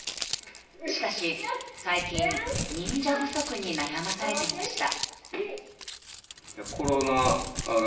しかし最近忍者不足に悩まされていました。